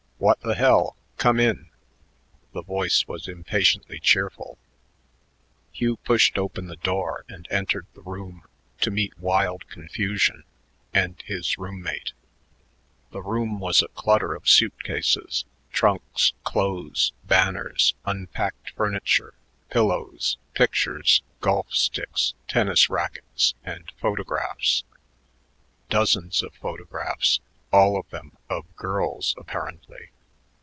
"What th' hell! Come in." The voice was impatiently cheerful. Hugh pushed open the door and entered the room to meet wild confusion and his room mate. The room was a clutter of suit cases, trunks, clothes, banners, unpacked furniture, pillows, pictures, golf sticks, tennis rackets, and photographs dozens of photographs, all of them of girls apparently.